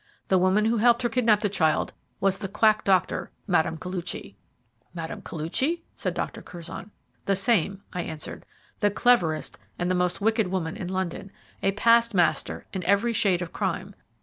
The woman who helped her to kidnap the child was the quack doctor, Mme. Koluchy." "Mme. Koluchy?" said Dr. Curzon. "The same," I answered; "the cleverest and the most wicked woman in London a past master in every shade of crime.